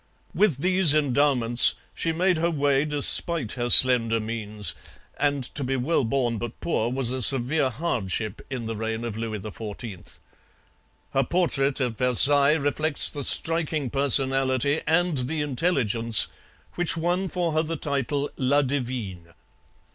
With these endowments she made her way despite her slender means and to be well born but poor was a severe hardship in the reign of Louis XIV. Her portrait at Versailles reflects the striking personality and the intelligence which won for her the title La Divine.